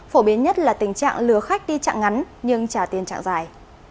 phổ biến nhất là tình trạng lừa khách đi chặng ngắn nhưng trả tiền chặng dài